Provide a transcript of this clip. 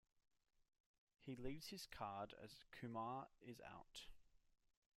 He leaves his card as Kumar is out.